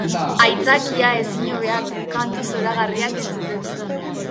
Aitzakia ezinhobea kantu zoragarriak entzuteko.